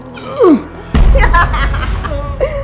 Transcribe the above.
emang enak jadi paktu